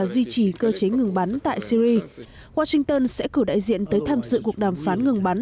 duy trì cơ chế ngừng bắn tại syri washington sẽ cử đại diện tới tham dự cuộc đàm phán ngừng bắn